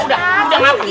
ustadz udah ngapa